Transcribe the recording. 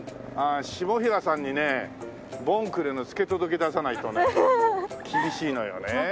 下平さんにね盆暮れの付け届け出さないとね厳しいのよね。